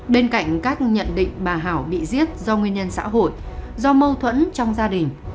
bên cạnh các nhận định bà hảo bị giết do nguyên nhân xã hội do mâu thuẫn trong gia đình